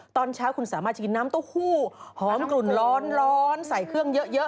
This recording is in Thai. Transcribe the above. ตอนเช้าคุณสามารถจะกินน้ำเต้าหู้หอมกลุ่นร้อนใส่เครื่องเยอะ